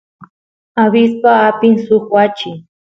abispa apin suk wachi